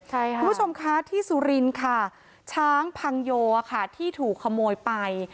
คุณผู้ชมคะที่สุรินทร์ค่ะช้างพังโยค่ะที่ถูกขโมยไป